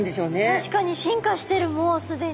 確かに進化してるもう既に。